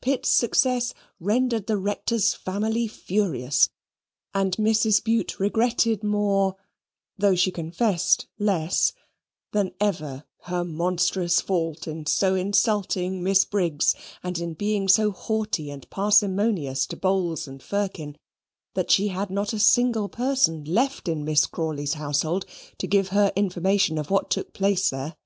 Pitt's success rendered the Rector's family furious, and Mrs. Bute regretted more (though she confessed less) than ever her monstrous fault in so insulting Miss Briggs, and in being so haughty and parsimonious to Bowls and Firkin, that she had not a single person left in Miss Crawley's household to give her information of what took place there.